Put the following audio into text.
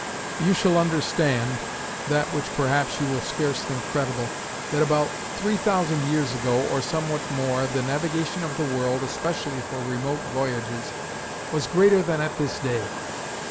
"You shall understand (that which perhaps you will scarce think credible) that about three thousand years ago, or somewhat more, the navigation of the world, (especially for remote voyages,) was greater than at this day.